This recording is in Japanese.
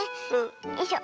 よいしょ。